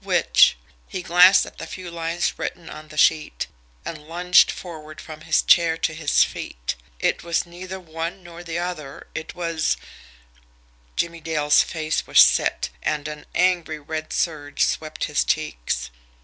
Which? He glanced at the few lines written on the sheet, and lunged forward from his chair to his feet. It was neither one nor the other. It was Jimmie Dale's face was set, and an angry red surge swept his cheeks.